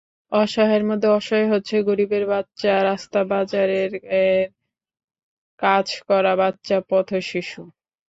অসহায়ের মধ্যে অসহায় হচ্ছে গরিবের বাচ্চা, রাস্তা-বাজারে কাজ করা বাচ্চা, পথশিশু।